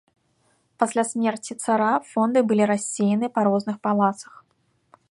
Пасля смерці цара фонды былі рассеяны па розных палацах.